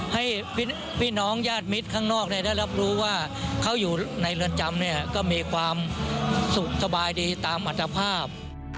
ให้พี่น้องญาติมิตรข้างนอกได้รับรู้ว่าเขาอยู่ในเรือนจำเนี่ยก็มีความสุขสบายดีตามอัตภาพ